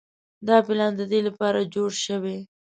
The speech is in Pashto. دا پلان د دې لپاره جوړ شوی.